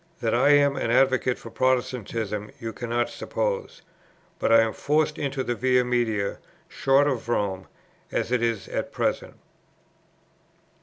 That I am an advocate for Protestantism, you cannot suppose; but I am forced into a Via Media, short of Rome, as it is at present."